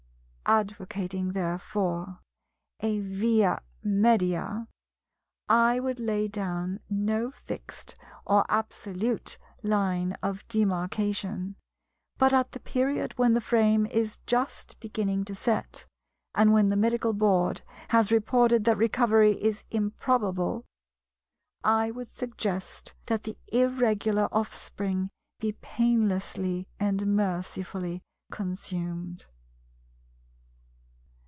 Advocating therefore a Via Media, I would lay down no fixed or absolute line of demarcation; but at the period when the frame is just beginning to set, and when the Medical Board has reported that recovery is improbably, I would suggest that the Irregular offspring be painlessly and mercifully consumed.